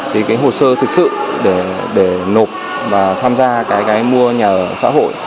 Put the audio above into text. thì cái hồ sơ thực sự để nộp và tham gia cái mua nhà ở xã hội